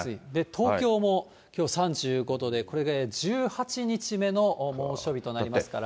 東京もきょう３５度で、これで１８日目の猛暑日となりますから。